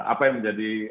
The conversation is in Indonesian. apa yang menjadi